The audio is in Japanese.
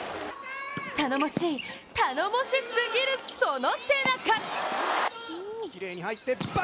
頼もしい、頼もしすぎるその背中！